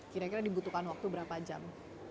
kira kira dibutuhkan waktu berapa jam